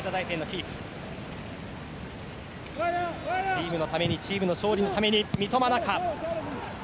チームのためにチームの勝利のために。